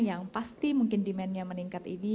yang pasti mungkin demandnya meningkat ini